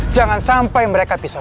jangan sampai mereka bisa menangkapmu